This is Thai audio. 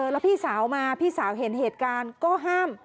แล้วพี่สาวมาพี่สาวเห็นเหตุการณ์ก็ห้าม